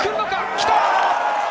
来た！